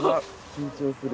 緊張する。